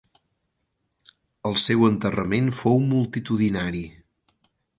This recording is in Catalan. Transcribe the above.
El seu enterrament fou multitudinari.